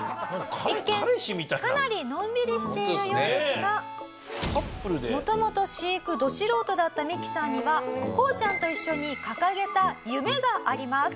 一見かなりのんびりしているようですが元々飼育ど素人だったミキさんにはこうちゃんと一緒に掲げた夢があります。